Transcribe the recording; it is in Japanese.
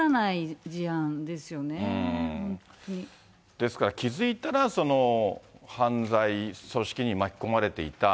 ですから、気付いたら犯罪組織に巻き込まれていた。